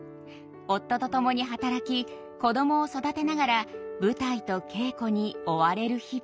夫と共に働き子供を育てながら舞台と稽古に追われる日々。